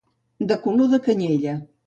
De color de canyella.